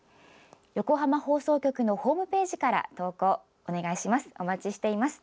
横浜放送局のホームページから投稿、お願いします。